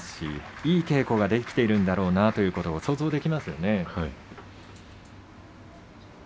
いい稽古ができているんだろうなということが想像できますね。